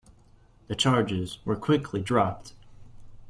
The charges were quickly dropped.